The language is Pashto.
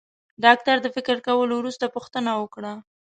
ډاکټر د فکر کولو وروسته پوښتنه وکړه.